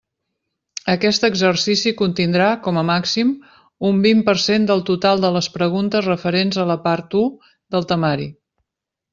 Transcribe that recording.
Aquest exercici contindrà, com a màxim, un vint per cent del total de les preguntes referents a la part u del temari.